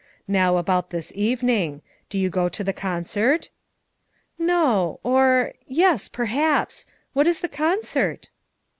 Now, about this evening; do you go to the con cert?" "Xo; or — yes, perhaps. What is the con cert?"